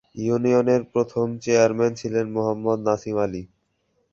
ইউনিয়নের প্রথম চেয়ারম্যান ছিলেন মোহাম্মদ নাসিম আলী।